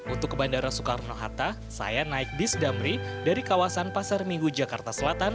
untuk ke bandara soekarno hatta saya naik bis damri dari kawasan pasar minggu jakarta selatan